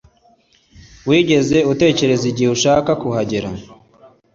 Wigeze utekereza igihe ushaka kuhagera